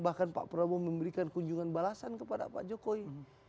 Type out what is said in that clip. bahkan pak prabowo memberikan kunjungan balasan kepada pak jokowi